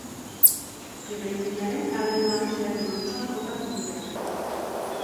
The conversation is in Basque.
Eraikinaren alde nagusiaren ondoan kokatzen dira.